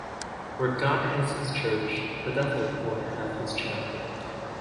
Where God has his church, the devil will have his chapel.